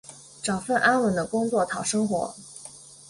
找份安稳的工作讨生活